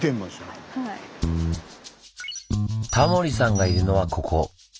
タモリさんがいるのはここ。